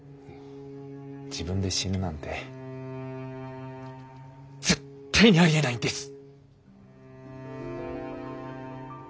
自分で死ぬなんて絶対にありえないんです。